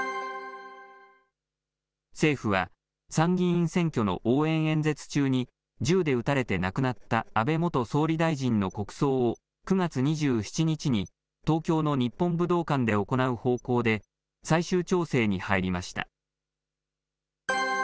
政府は、参議院選挙の応援演説中に、銃で撃たれて亡くなった安倍元総理大臣の国葬を９月２７日に、東京の日本武道館で行う方向で最終調整に入りました。